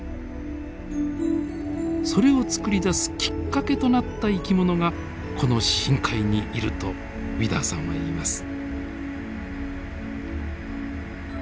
それをつくり出すきっかけとなった生き物がこの深海にいるとウィダーさんは言います。